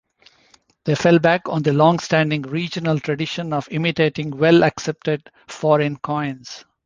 They fell back on the longstanding regional tradition of imitating well accepted foreign coins.